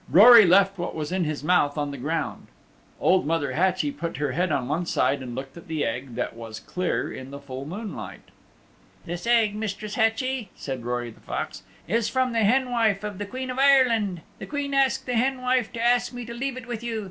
Rory left what was in his mouth on the ground. Old Mother Hatchie put her head on one side and looked at the Egg that was clear in the full moonlight. "This egg, Mistress Hatchie," said Rory the Fox, "is from the Hen wife of the Queen of Ireland. The Queen asked the Hen wife to ask me to leave it with you.